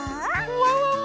ワンワンも。